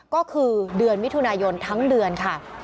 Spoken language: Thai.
ก็คือเดือนมิถุนายนทั้งเดือนค่ะ